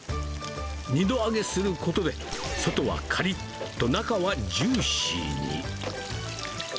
２度揚げすることで、外はかりっと、中はジューシーに。